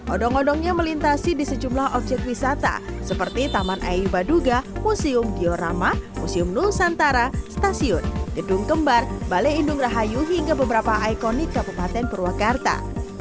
odong odongnya melintasi di sejumlah objek wisata seperti taman ayu baduga museum diorama museum nusantara stasiun gedung kembar balai indung rahayu hingga beberapa ikonik kabupaten purwakarta